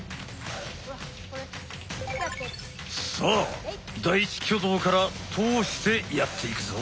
さあ第１挙動から通してやっていくぞ！